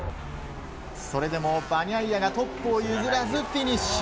それでもバニャイアがトップを譲らずフィニッシュ。